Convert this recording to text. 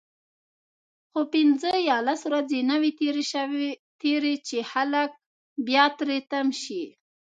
خو پنځه یا لس ورځې نه وي تیرې چې خلک بیا تری تم شي.